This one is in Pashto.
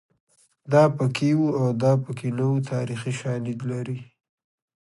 دا پکې وو او دا پکې نه وو تاریخي شالید لري